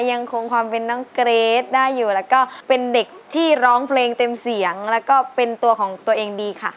ยังคงความเป็นน้องเกรทได้อยู่แล้วก็เป็นเด็กที่ร้องเพลงเต็มเสียงแล้วก็เป็นตัวของตัวเองดีค่ะ